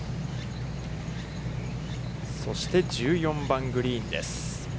そして、１４番グリーンです。